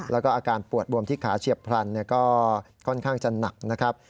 แล้วก็อาการปวดบวมที่ขาเฉียบพลันก็ค่อนข้างจะหนักนะครับ